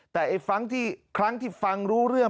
แต่ครั้งที่ฟังรู้เรื่อง